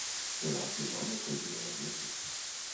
Donà el seu nom al continent asiàtic.